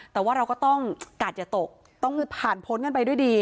แต่ว่าเราก็ต้องกัดอย่าตกต้องผ่านพ้นกันไปด้วยดี